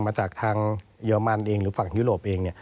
มาจากทางเยอรมันเองหรือฝั่งยุโรปเอง